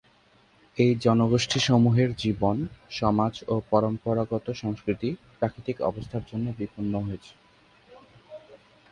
এই জনগোষ্ঠী সমূহের জীবন, সমাজ ও পরম্পরাগত সংস্কৃতি প্রাকৃতিক অবস্থার জন্য বিপন্ন হয়েছে।